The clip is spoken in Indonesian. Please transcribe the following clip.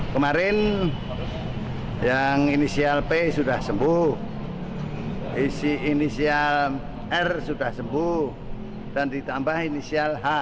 kemarin yang inisial p sudah sembuh isi inisial r sudah sembuh dan ditambah inisial h